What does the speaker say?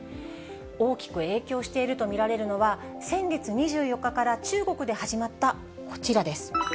大きく影響していると見られるのは、先月２４日から中国で始まったこちらです。